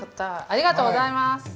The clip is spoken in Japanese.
ありがとうございます。